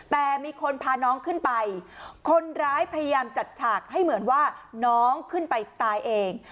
แต่มีคนพาน้องขึ้นไปคนร้ายพยายามจัดฉากให้เหมือนว่าน้องขึ้นไปตายเอง